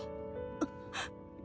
あっ！